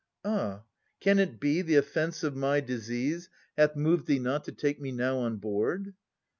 Ah ! Can it be, the offence of my disease Hath moved thee not to take me now on board